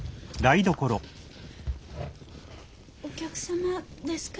お客様ですか？